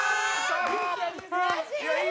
悔しい！